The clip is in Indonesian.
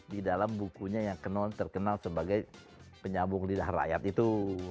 di dalam bukunya yang terkenal sebagai penyambung lidah rakyat itu